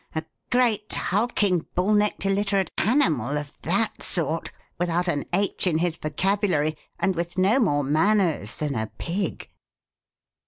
A great hulking, bull necked, illiterate animal of that sort, without an H in his vocabulary and with no more manners than a pig!"